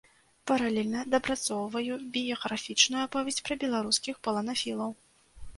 Паралельна дапрацоўваю біяграфічную аповесць пра беларускіх паланафілаў.